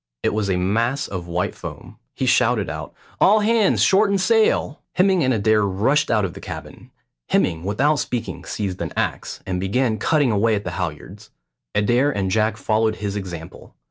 It was a mass of white foam. He shouted out, "All hands shorten sail!" Hemming and Adair rushed out of the cabin. Hemming without speaking seized an axe, and began cutting away at the halyards; Adair and Jack followed his example.